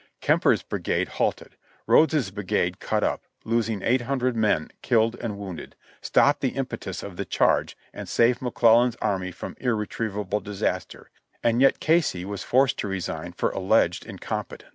"Kemper's brigade halted — Rodes's brigade cut up, losing 80 1 men killed and wounded, stopped the impetus of the charge and saved McClellan's army from irretrievable disaster, and yet Casey was forced to resign for alleged incompetence."